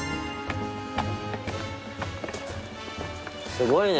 すごいね。